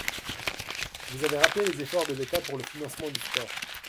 Vous avez rappelé les efforts de l’État pour le financement du sport.